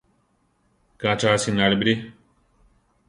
Ka cha asináli bíri!